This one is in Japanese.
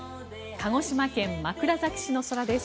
鹿児島県枕崎市の空です。